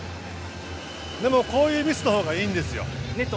でも、こういうミスのほうがいいんですよ。